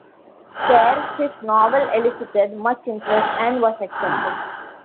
There, his novel elicited much interest and was accepted.